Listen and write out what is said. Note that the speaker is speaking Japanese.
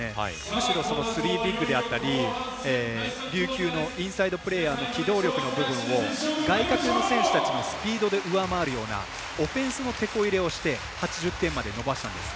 むしろ、スリービッグであったり琉球のインサイドプレーヤーの機動力の部分を外角の選手たちのスピードの部分で上回るようなオフェンスの、てこ入れをして８０点まで伸ばしたんです。